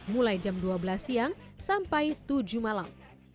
mulai jam dua belas siang sampai tujuh malam